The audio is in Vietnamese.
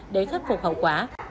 để khắc phục hậu quả